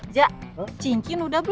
jak cincin udah belum